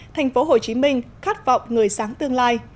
thành phố hồ chí minh khát vọng người sáng tương lai